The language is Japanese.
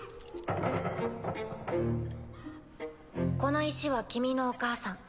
この石は君のお母さん。